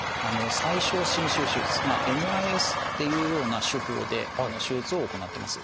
最小侵襲手術ＭＩＳっていうような手法で手術を行ってます。